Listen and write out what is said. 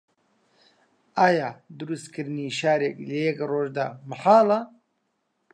ئایا دروستکردنی شارێک لە یەک ڕۆژ مەحاڵە؟